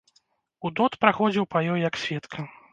Удод праходзіў па ёй як сведка.